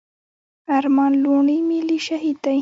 ارمان لوڼي ملي شهيد دی.